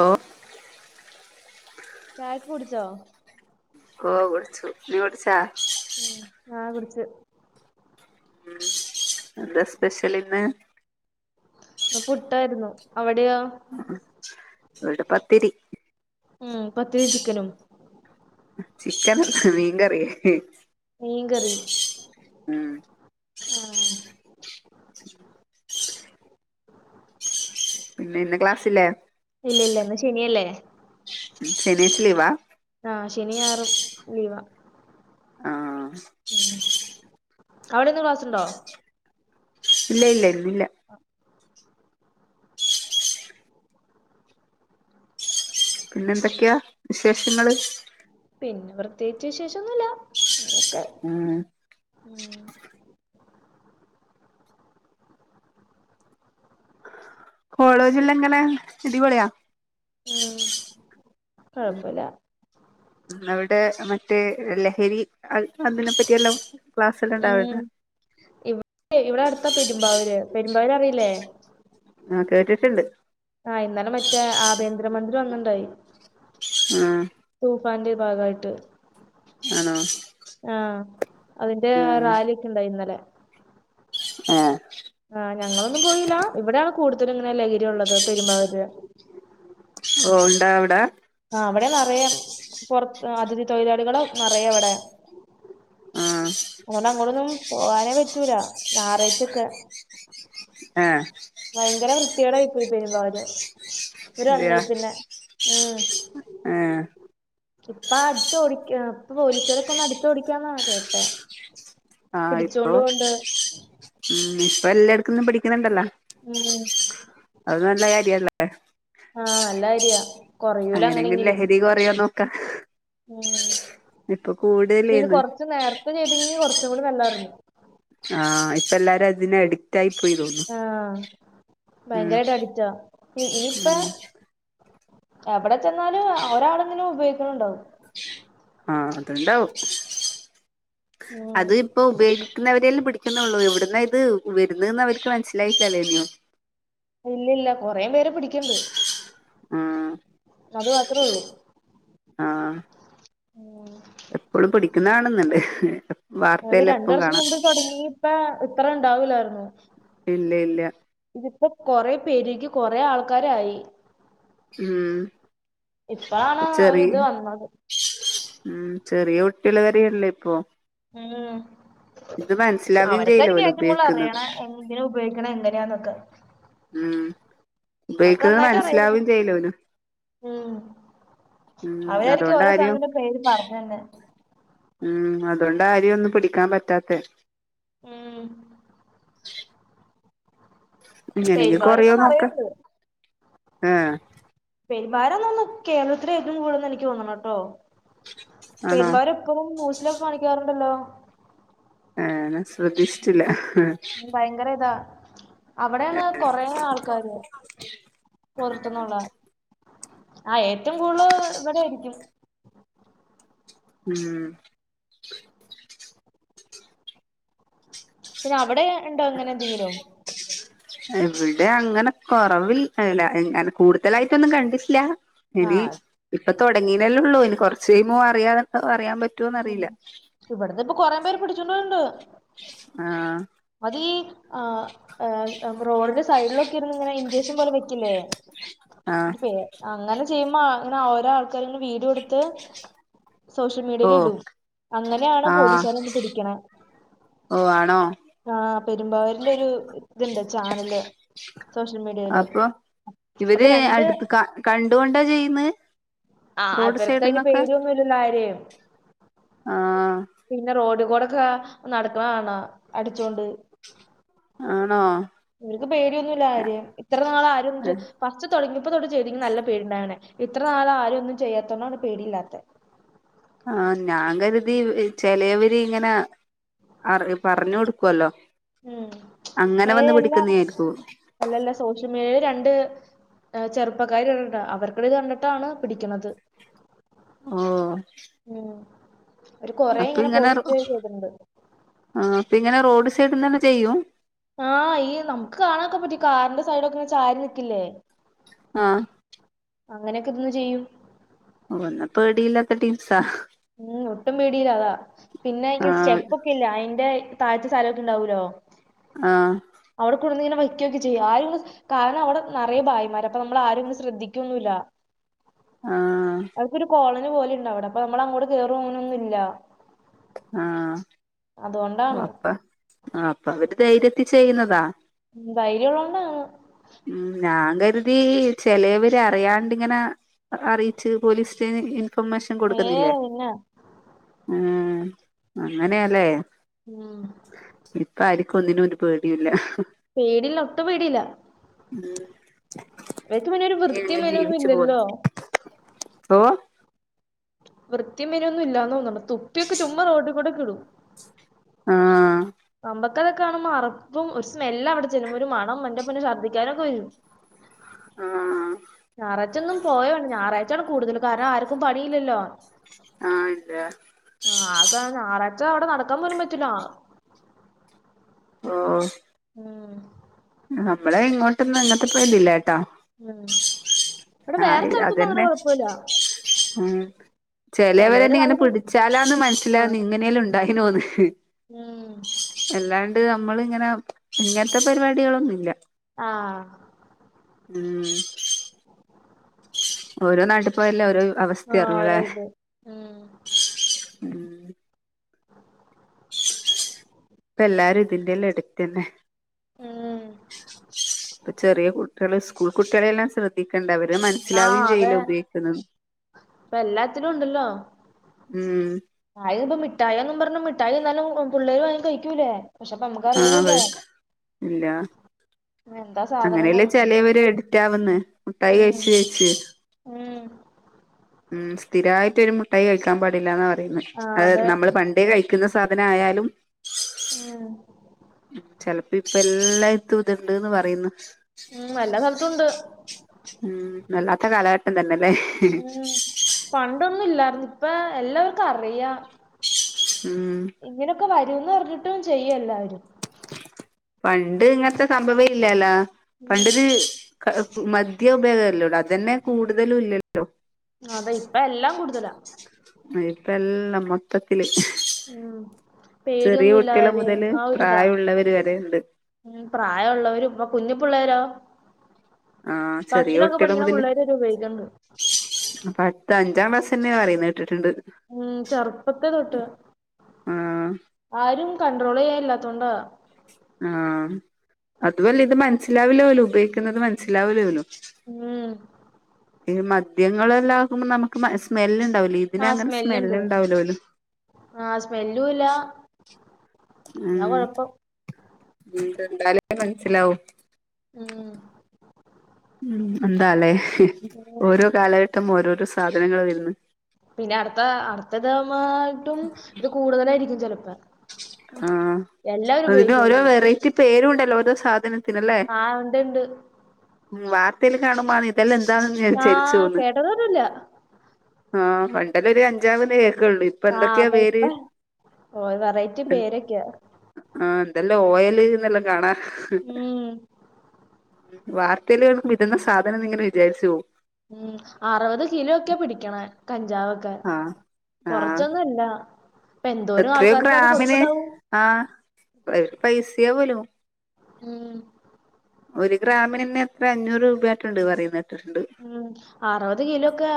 ഓ ചായക്കെ കുടിച്ചോ ഓ കുടിച്ചു നീ കുടിച്ചാ. ഉം ആ കുടിച്ചു. എന്താ സ്പെഷ്യൽ ഇന്ന് ഇന്ന് പുട്ടായിരുന്നു അവിടെയോ ഇവടെ പത്തിരി ഉം പത്തിരീം ചിക്കനും ചിക്കൻ അല്ല മീൻ കറി മീൻകറി ഉം ആഹ് പിന്നെ ഇന്ന് ക്ലാസ്സില്ലേ ഇല്ല ഇല്ല ഇന്ന് ശനിയല്ലേ ശനീച്ചെലീവ? ആഹ് ശനിഞറും ലീവാ. ആ അവിടെന്ന് ക്ലാസ്ണ്ടോ ഇല്ല ഇല്ല ഇല്ലി ല്ല പിന്നെ എന്തൊക്കെയാ വിശേഷങ്ങള് പിന്നെ പ്രത്യേയിച്ച് വിശേഷോന്നുല്ല അങ്ങനെയൊക്കെ ആഹ് ഉം കോളേജില് എങ്ങനെയ ഇടിപൊളിയാ? ഉം ഉം കൊഴപ്പല്ല അവിടെ മറ്റേ ലഹരി അത് അതിനെപ്പറ്റിയെല്ലാം ഉം ഇവിടെ ഇവിടെ അടുത്താ പെരുമ്പാവൂര് പെരുമ്പാവൂര് അറിയില്ലേ? ആഹ് കേട്ടിട്ടുണ്ട്. ആഹ് ഇന്നലെ മറ്റേ ആഭ്യന്തരമന്ത്രീവന്ന്ണ്ടായി. ആഹ് തൂഫാന്റെ ഭാഗായിട്ട് ആണോ ആഹ് അതിന്റെ റാലിയൊക്കെ ണ്ടായി ഇന്നലെ. ഏഹ് ആഹ് ഞങ്ങളൊന്നും പോയില്ല ഇവിടെയാണ് കൂടുതലും ഇങ്ങനെ ലഹരി ഉള്ളത് പെരുമ്പാവര്. ഓഹ് ഉണ്ടാവ്ടെ ആഹ് അവിടെ നറയെ പൊറത്ത് അതിഥി തൊഴിലാളികള് നറയെ അവടെ ആ [unintelligible] അങ്ങോടൊന്നും പോകാനേ പറ്റൂല ഞായറാഴ്ചൊക്കെ ആഹ് ഭയങ്കര വൃത്തിയേടാ യിപ്പോ യി പോരുമ്പവുര് മൂപ്പര് വന്നേ അതെയാ പിന്നെ ഉം ആ ഇപ്പ അടിച്ചോടിക്കാ ഇപ്പൊ പോലീസരൊക്കൊന്ന് അട്ത്ത് ഓടിക്കാന്നാ കേട്ടെ ആഹ് ഇപ്പൊ പിടിച്ചോണ്ട് പോവ്ണ്ട് ഉം ഇപ്പൊ എല്ലായിടക്കുംന്നും പഠിക്കുന്ന്ണ്ടല്ലോ. ഉം അത് നല്ല കാര്യല്ലേ ആഹ് നല്ലാര്യാ അങ്ങനെങ്കിലു ലഹരി കൊറയോ നോക്കാ ഉം ഇപ്പൊ പക്ഷെ ഇത് കൂടുതലേന്ന് കൊറച്ച് നേരത്തെ ചെയ്തെങ്കി കൊറച്ചും കൂടി നല്ലാര്ന്നു ആഹ് ഇപ്പ എല്ലാരും അതില്യേ എട് ടൈപ്പെയ്തോന്ന് ആ ഉം ഭയങ്കരായിട്ട് അഡിക്റ്റാ ഉം എവടെ ചെന്നാലും ഒരാളെങ്കിലും ഉപയോഗിക്ക്ണണ്ടാവും ആഹ് അത്ണ്ടാവും ഉം അത് ഇപ്പോ ഉപോഗി ക്ക്ന്നവരേല് പിടിക്ക്ന്നൊള്ളൂ എവിട്ന്നാ ഇത് വര്ന്നേന്ന് അവര്ക്ക് മനസ്സിലായിട്ടില്ലല്ലോ ഇനിയും ഇല്ല ഇല്ല കൊറെ പേരേ പിടിക്ക്ണ്ട് ആഹ് അത് മാത്രോള്ളൂ ആഹ്. ഉം എപ്പളും പിടിക്ക്ന്നാണ്ന്ന്ണ്ട് അത് രണ്ട്‌വർഷം മുമ്പ് തൊടങ്ങി ഇപ്പ ഇത്രണ്ടാവൂലാർന്നു. ഇല്ല ഇല്ല. ഇതിപ്പോ കൊറെ പെരുകി കൊറെ ആൾക്കാരായി. ഉം ഇപ്പാണ് അവര് ചെറിയ ഇത് വന്നത്. ഉം ചെറിയ കുട്ട്യേൾവരെല്യേപ്പൊ. ഉം ഇത് മനസിലാവേം ചെയൂലാ അവർക്കായിരിക്കും ഓല് ഏറ്റവും കൂടുതൽ ഉപയോഗിക്കിന്നത്. അറിയണ എന്തിനാ ഉപോഗിക്കണെ എങ്ങനെയാന്നൊക്കെ. മ് അവർക്ക് ഉപയോഗിക്കന്നത് നന്നായിട്ട് അറിയായിരിക്കും മനസ്സിലാവേം ചെയൂല ഓല്. ഉം ഉം അവരായിരിക്കും ഓരോ അതുകൊണ്ടാരും സാനത്തിന്റെ പേര് പറഞ്ഞന്നെ ഉം അതോണ്ട ആരേ ഒന്നും പിടിക്കാൻ പറ്റാത്തെ മ്മ്ഹ്. പേര് ഇങ്ങനെങ്കിലും കൊറയോ പകരൊക്കെ നിറയെ നോക്ക ഏഹ്. പെരുമ്പാരന്ന്ന്ന് കേരളത്തിലെ ഏറ്റും കൂടുതൽന്ന് എനിക്ക് തോന്നണെട്ടോ ആണോ പെരുമ്പാവര്. ഇപ്പൊ ന്യൂസിലൊക്കെ കാണിക്കാറുണ്ടല്ലോ. ഏഹ് ഞാൻ ശ്രദ്ധിച്ചിട്ടില്ല ഭയങ്കര ഇതാ അവിടാണ് കൊറെ ആൾക്കാര് പൊറത്തുന്നുളെ ആഹ ഏറ്റും കൂടല് ഇവിടായിരിക്കും. മ്ഹ്. പിന്നെ അവിടെയിണ്ടോ ഇങ്ങനെ എന്തെങ്കിലും. ഇവിടെ അങ്ങനെ കൊറവില്ല അല്ല എങ്ങെ കൂടുതലായിട്ടൊന്നും കണ്ടില്യാ. ആ ഇനി ഇപ്പൊ തുടങ്ങീനലൊള്ളൂ ഇനി കൊറച്ചയിമ്പോ അറിയാത അറിയാൻ പറ്റു. ഉം ഇവിടുന്ന് ഇപ്പൊ കൊറേപേരെ പിടിച്ചൊണ്ടൊയിണ്ട്. ആഹ്. അതീ ആഹ് ഏഹ്. റോഡിന്റെ സൈഡിലൊക്കെ ഇരുന്നു ഇങ്ങനെ ഇഞ്ചക്ഷൻ പോലെ വെയ്ക്കില്ലേ. ആഹ് അങ്ങനെ ചെയ്യുമ്പോ അങ്ങനെ ഓരോ ആൾക്കാരിങ്ങനെ വീഡ്യോട്ത്ത്. ഷ്യൽ ഓഹ് മീഡിയലിടും അങ്ങനെയാണ് പോലീസാര് വന്ന് പിടിക്ക്ണെ. ഓ ആണോ ആഹ് പെരുമ്പാവരിലൊരു ഇത്ണ്ട് ചാനല്. സോഷ്യൽ മീഡിയയില് അപ്പൊ അപ്പൊ ഇവര് രണ്ട് അടുത്ത് ക കണ്ടുകൊണ്ടാ ചെയ്യന്നെ. ആഹ് അവർക്കതിന് പേടിയൊന്നുമില്ലലോ ആരേ ആഹ് പിന്നെ റോഡ് കൂടൊക്കെ നടക്കണണോ അടിച്ചോണ്ട്. ആണോ ഇവര്ക്ക് പേടിയൊന്നുല്ല ആരേം ഇത്രനാളാരൊന്നും ചെ ഫസ്റ്റ് തൊടങ്ങിയപ്പോ തൊട്ട് ചെയ്തീനെങ്കിൽ നല്ലപേടിണ്ടായേനെ ഇത്രനാള ആരരൊന്നും ചെയ്യാത്തോണ്ടാണ് പേടിയില്ലാത്ത. ആ ഞാൻ കരുതി ചെലവര് ഇങ്ങനെ. അറ പറഞ്ഞൊട്ക്കലോ ഉം അങ്ങനെ ഏ വന്ന് അല്ല പിടിക്കുന്നായിരിക്കൂ. അല്ലല്ല സോഷ്യൽ മീഡിയില് രണ്ട്. ചെറുപ്പക്കാരിണ്ട്‌ അവർത് കണ്ടിട്ടാണ് പിടിക്കണത്. ഓഹ്. ഉം അവര് കൊറെയിങ്ങനെ പോസ്റ്റ് ചെയ്തിട്ടിണ്ട്. ആഹ്‌ പിന്നെ റോഡ് സൈഡ്ന്നെ ചെയ്യും. ആഹ് ഈ നമുക്ക് കാണാനൊക്കെ പറ്റും ഈ കാറിന്റെ സൈഡൊക്കെങ്ങനെ ചാരിനിക്കിലെ. ആഹ്. അങ്ങനൊക്കെ നിന്ന് ചെയ്യും ഒൽനെ പേടില്യാത്ത ടിംസാ. [unintelligible] ഉം ഒട്ടും പേടിയില്ല അതാ പിന്നെ ഇ ആഹ് സ്റ്റെപ്പൊക്കിലെ അയിന്റെ. താഴ്ത്തെ സ്ഥലൊക്കെ ഉണ്ടാവൂലോ. ആഹ്. അവിടെകൊണ്ടൊന്ന് ഇങ്ങനെ വയ്ക്കൊക്കെ ചെയും ആരും. കാരണം അവിടെ നിറയ ഭായിമാര് അപ്പൊ നമ്മൾ ആരുംന്നും ശ്രദ്ധിക്കൊന്നുല്ല ആഹ് അവവിക്കൊരു കോളനി പോലെണ്ട അവിടെ അപ്പൊ നമ്മള അങ്ങോട്ട് കേയറും ങ്ങനൊന്നും ഇല്ല ആഹ് ഓഹ് അതുകൊണ്ടാണ് അപ്പ ആഹ് അപ്പ അവര് ധൈര്യത്തി ചെയ്യുന്നതാ ധൈര്യം ഉള്ളോണ്ടാ ഉം ഞാൻ കരുതി ചെലവര് അറിയാണ്ടിങ്ങനെ അറിയിച്ച് പോലീസ് റ്റേന് ഇൻഫർമേഷൻ ഏ കൊടുക്കുന്നില്ലേ പിന്നെ ഏഹ് അങ്ങനെയാല്ലേ ഉം ഇപ്പ ആരിക്കും ഒന്നിനും ഒരു പേടിയുല്ല പേടില്ല ഒട്ടും പേടില്ല ഉം ഇവയ്ക്ക പിന്നെ ഒരു നീ വൃത്തിയ അങ്ങ് മെനൊന്നും ജീവിച്ചു ഇല്ലല്ലോ പോന്നു [unintelligible] വൃത്തിം മേനൊന്നും ഇല്ലാന്ന് തന്നുന്നുണ്ട് തുപ്പിയൊക്കെ ചുമ്മാ റോട്ടി കൂടെ ക ഇടും ആഹ് നമ്മക്കതൊക്കെ കാണുമ്പോ അറപ്പും ഒരു സ്മെല് അവിടെ ചെല്ലുമ്പം ഒരു വണം മന്റെപ്പന്നെ ശർദ്ദിക്കാനൊക്കെ വരും ആഹ് ഞായറാഴ്ച ഒന്നും പോയാണ് ഞായറാഴ്ചാണ് കൂടുതല് കാരണം ആർക്കും പണിയില്ലല്ലോ ആഹ് ഇല്ലാ ആഹ് അതാ ഞായറാഴ്ച അവിടെ നടക്കാൻ പോലും പറ്റില്ല ഓഹ് ഉം നമ്മളെ ഇങ്ങോട്ടൊന്നും ഇങ്ങനത്തെ പേയിതില്ലേട്ടോ ഉം ഇവിടെ വേറെ ആഹ് സ്ഥലത്തൊന്നും അങ്ങനെ അതന്നെ കുഴപ്പമില്ല ഉം ചിലവര് ചെലവരെന്നെ ഇങ്ങനെ അതിന് പിടിച്ചാലാന്ന് ആ മനസ്സിലാന്ന് ഇങ്ങനെല്ലും ഉണ്ടായിനോന്ന് ഉം അല്ലാണ്ട് നമ്മൾ ഇങ്ങനെ ഇങ്ങനത്തെ പരിപാടികളൊന്നു ഇല്ല ആഹ് ഉം ഓരോ നാട്ടി പോഅല്ലേ ഓരോ ആ അവസ്ഥ ഓരോ അറിവല്ലേ ഇത് ഉം ഉം പ്പല്ലാരും ഇതിന്റെല്ലാം എടുത്ത് തന്നെ ഉം ഇ ചെറിയ കു കുട്ടിള് സ്കൂൾ കുട്ടികളെല്ലാം ശ്രദ്ധിക്കണ്ട അവര് മനസ്സിലാവുകയും ചെയ്ല്ല ഉപയോഗിക്കുന്നു ഇപ്പ എല്ലാത്തിനുണ്ടല്ലോ ഉം ആയെ ഇപ്പ മിഠായന്നും പറഞ്ഞു മിഠായി എന്നാലും പ പിള്ളേര് വാങ്ങി കഴിക്കൂലേ പക്ഷെ പ്പ നമ്മുക്ക് ആഹ് അറീല്ലല്ലോ എന്താ സ് അങ്ങനെല്ലേ ചിലേവര് എഡിറ്റ് ആവ്ന്ന് മുട്ടായി ഉം കഴിച് കയിച്ച് ഉം ഉം സ്ഥിരായിട്ട് ഒരു മുട്ടായി കഴിക്കാൻ പാടില്ലാന്നാ പറയുന്ന ആ അഹ് അതെ നമ്മള് പണ്ടേ കഴിക്കുന്ന സാധന ആയാലും ഉം ചെൽപ്പോ ഇപ്പ എല്ലായിത്തും ഇത്ണ്ട്ന്ന് പറയുന്നു ഉം എല്ലാ സ്ഥലത്തും ഉണ്ട് ഉം വല്ലാത്ത കാലഘട്ടം തന്നല്ലേ ഉം പണ്ടൊന്നും ഇല്ലർന്നു ഇപ്പ എല്ലാവർക്കും അറിയ ഉം ഇങ്ങനെക്കെ വരൂന്ന് പറഞ്ഞിട്ടും ചെയ്യല്ലാരും പണ്ട് ഇങ്ങൻത്തെ സംഭവ ഇല്ലാല്ല ഉം പണ്ടത് ക മദ്യം ഉപയോഗല്ലോട ഉം അതെ ഇപ്പ എല്ലാം കൂടുതലാ മ ഇപ്പല്ലാം മ ത്തത്തില് ഉം ചെറിയ പേടിയൊന്നും ഇല്ല കുട്ടിള് ആരെയും മുതല് ആ ഒരിതാ പ്രായവുള്ളവര് വരെണ്ട് ഉം പ്രായള്ളവരും ഇപ്പോ കുഞ്ഞിപ്പിള്ളേരോ ആഹ് പത്തിലൊക്കെ പഠിക്കണ പുള്ളേര് വരെ ഉപയോഗിക്കുന്നുണ്ട് അപ്പത്ത് അഞ്ചാം ക്ലാസന്നെ പറയുന്ന കേട്ടിട്ടുണ്ട്. ഉം ചെറുപ്പത്തെ തൊട്ട് ആ ആരും കൺണ്ട്രോൾ ചെയ്യാല്ലാത്തോണ്ടാ ആഹ് അതുഅല്ല ഇത് മനസ്സിലാവില്ലോല് ഉപയോഗിക്കുന്നത് മനസ്സിലാവൂലോല്ലോ ഉം അത് മദ്യങ്ങളെല്ലാം ആകുമ്പോ നമുക്ക് സ്മെല് ഇണ്ടാവില്ലേ ആ ഇതിന് അങ്ങനെ സ്മെല് ഉണ്ടാവൂല്ലോല്ലോ പോലും ആഹ് സ്മെല്ലുംല്ലാ ഉം ഉം കണ്ടാലേ മനസ്സിലാവും ഉം ഉം എന്താലേ ഉം ഓരോ കാലഘട്ടം ഓരോരോ സാധനങ്ങൾ വരുന്ന് പിന്നെ അടുത്ത അടുത്തത്മായിട്ടും ഇത് കൂടുതലായിരിക്കും ചെലപ്പോ ആഹ് എല്ലാവരും അതിന് ഓരോ ഉപയോഗിക്കും വെറൈ റ്റി പേരൂണ്ടല്ലോ ഓരോ സാധനത്തിനല്ലേ ആ ഉണ്ട് ഉണ്ട് വാർത്തേല് കാണുമ്പാണ് തെല്ലാം എന്താണെന്ന് ഞാൻ ആ ചലിച്ചു ന്ന് കേട്ടതൊന്നുമില്ല ആഹ് പണ്ടല്ലൊരു കഞ്ചാവ് ന്നേ കേക്ക്ണൊള്ളൂ ആഹ് പൈപ്പ ഓ ഒരു വെറൈറ്റി പേരൊക്കെയ ആഹ് എന്തെല്ലാം ഓയല്ന്നെല്ലാം കാണാ ഉം വാർത്തീല് കാണുമ്പോ ഇതന്നാ സാധനംന്ന് ഇങ്ങനെ വിചാരിച്ചു പോവും ഉം അറുപത് കിലോ ഒക്കെ പിടിക്കണ കഞ്ചാവ്ഒക്കെ ആഹ് ആഹ് കൊറച്ചൊന്നും അല്ല പ്പന്തോരും എത്രയോ ആൾക്കാർക്ക് അത് ഗ്രാമിന് കൊടുക്ക്‌ണ്ടാവും ആഹ് ഓല്ക്ക് പൈസയാവോലോ ഉം ഒരു ഗ്രാമിനന്നെ എത്ര അഞ്ഞൂറ് രൂപ ആയിട്ടുണ്ട് പറയുന്നേത് ഉം അറുപത് കിലോക്കെ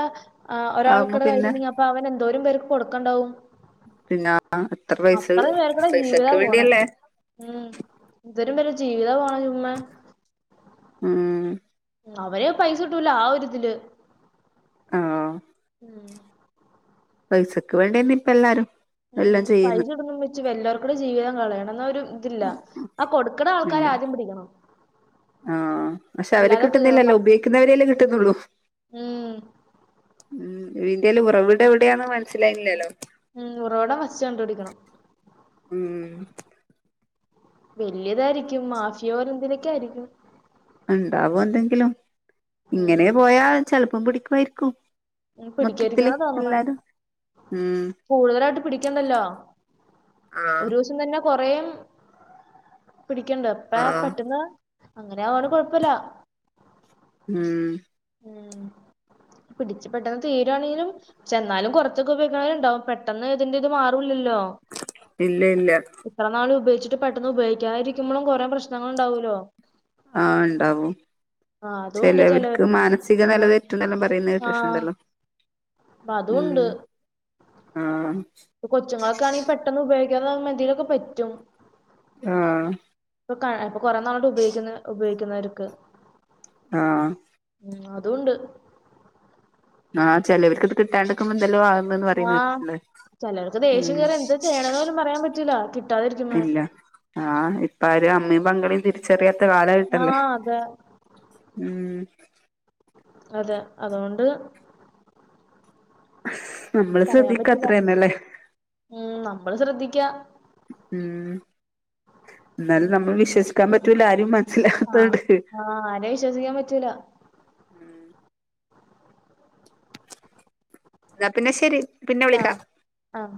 ആഹ് ആവുമ്പോ ഒരാൾക്കടെ പിന്നെ കയ്യില്ണ്ടെങ്കി അപ്പോ അവൻ എന്തോരും പേർക്ക് കൊടുക്കാണ്ടാവും പിന്നാ എത്ര പൈസ പേർക്കടെ ജീവിതാ പൈസക്ക് പോണെ വേണ്ടിയല്ലേ ഉം ഇതരും വല്യേ ജീവിതാ പോണെ ചുമ്മേ ഉം ഉം അവര് പൈസ കിട്ടോലോ ആ ഒരിതില് ആഹ് ഉം പൈസക്ക് വേണ്ടിന്നെ ഇപ്പൊ എല്ലാരും എല്ലാം ഉം പൈസ ചെയ്യുന്നു കിട്ടുന്നും വെച്ച് വല്ലവരുക്കുടെ ജീവിതം കളയണോ എന്ന ഒരു ല്ല ആ കൊടുക്കണ ഇല്ല ആൾക്കാരെ ആദ്യം പിടിക്കണം ആഹ് പക്ഷെ അവര് അല്ലാതെ കേവ കിട്ടുന്നില്ലല്ലോ ഉപയോഗിക്കുന്നവരല്ലേ കിട്ടുന്നുള്ളൂ. ഉം ഉം ഇയിന്റെയെല്ലാം ഉറവിടെവിടെയാന്ന് മനസ്സിലായില്ലല്ലോ ഉം ഉറവിടം ഫസ്റ്റ് കണ്ട്പിടിക്കണം ഉം വലിയതായിരിക്കും മാഫിയോരെ ന്തേലൊക്കെ ആയിരിക്കും ഇണ്ടാവും എന്തെങ്കിലും ഇങ്ങനെ ഉം പോയാ ചെലപ്പം പിടിക്കുവായിരിക്കും. ഉം മൊത്തത്തില് പിടിക്കാരിക്കുന്ന തോന്നണ എല്ലാരും ഉം കൂടുതലായിട്ട് പിടിക്കണ്ടല്ലോ ആഹ് ഒരൂസം തന്നെ കൊറേം പിടിക്കണ്ട് ഇപ്പ ആഹ് പെട്ടന്ന് അങ്ങനെആവോണ്ട് കുഴപ്പല്ല. ഉം ഉം പിടച്ചു പെട്ടെന്ന് തീരുവാണെങ്കിലും പക്ഷെ ന്നാലും കുറച്ചൊക്കെ ഉപയോഗിക്ക്‌ണോല്ണ്ടാവും പെട്ടെന്ന് ഇതിന്റെറ ഇത് മാറൂല്ലല്ലോ ഇല്ല ഇല്ല ഇത്ര നാൾ ഉപയോഗിച്ചിട്ട് പെട്ടെന്ന് ഉപയോഗിക്കാതിരിക്കുമ്പോളും കുറെ പ്രശ്നങ്ങൾ ഉണ്ടാവോല്ലോ ആഹ് ഇണ്ടാവും ആഹ് അതുണ്ട് ചിലവർക്ക് ചെലോർക്ക് മാനസിക നില ആഹ് തെറ്റും ന്നെല്ലാം പറയുന്നത് ആഹ് കേട്ടിട്ടുണ്ടല്ലോ അപ്പ അതുണ്ട് ഉം ആഹ് ഇപ്പ കൊച്ചങ്ങളൊക്കാണെങ്കിൽ പെ പെട്ടെന്ന് ഉപയോഗിക്കാതാവുമ്പോൾ എന്തെങ്കിലും ഒക്കെ പറ്റും. ആഹ് ഇപ്പൊ ഇപ്പൊ കൊറെ നാളായിട്ട് ഉപയോഗിക്കുന്ന ഉപയോഗിക്കുന്നവർക്ക്.. ആഹ് ഉം അതുണ്ട് ആഹ് ചിലർക്ക് ത് കിട്ടാണ്ടിക്കുമ്പോ എന്തെല്ലോ ആകന്ന് പറയുന്ന കേട്ടിട്ടി ല്ലേ ചിലർക്ക് ദേഷ്യം കെറിയാ എന്താ ചെയ്യണന്ന് പോലും പറയാൻ പറ്റൂലാ കിട്ടാതിരിക്കുമ്പോൾ ഇല്ല ആഹ് ഇപ്പ ആരും അമ്മയും പെങ്ങളെയും തിരി ചെറിയാത്ത കിട്ടല്ലേ ആഹ് അതെ ഉമ് അതെ അതോണ്ട്. നമ്മള് പറയാൻ ശ്രദ്ധിക്ക പറ്റില്ല അത്രയന്ന ല്ലേ. ഉം നമ്മള് ശ്രദ്ധിക്ക ഉം എന്നാലും ഉം നമ്മൾ വിശ്വസിക്കാൻ പറ്റല ആരും ആഹ് മനസ്സിലവതോണ്ട്.. ആഹ് ആരെയും വിശ്വസിക്കാൻ പറ്റൂല. ഉമ് ന്നാ പിന്നെ ശെരി.. ആഹ് ആഹ്